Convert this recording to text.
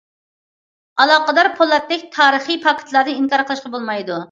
ئالاقىدار پولاتتەك تارىخىي پاكىتلارنى ئىنكار قىلىشقا بولمايدۇ.